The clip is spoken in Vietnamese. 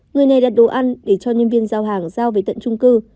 người này đặt đồ ăn để cho nhân viên giao hàng giao về tận trung cư